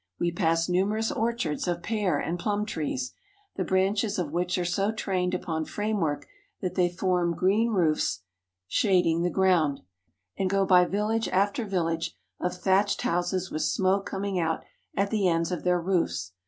We pass numerous orchards of pear and plum trees, the branches of which are so trained upon framework that they form green roofs shading the ground ; and go by village after village of thatched houses with smoke coming out at the ends of their roofs.